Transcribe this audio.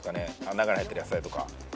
中に入ってる野菜とか。